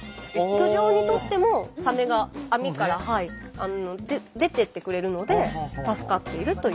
漁場にとってもサメが網から出てってくれるので助かっているという。